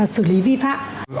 sử lý vi phạm